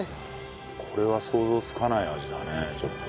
これは想像つかない味だねちょっと。